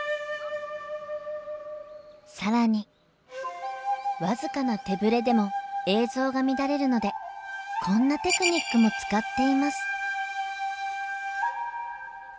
更に僅かな手ぶれでも映像が乱れるのでこんなテクニックも使っています。